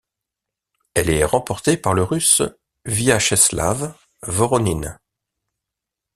Elle est remportée par le Russe Vyacheslav Voronin.